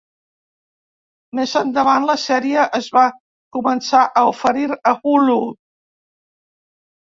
Més endavant la sèrie es va començar a oferir a Hulu.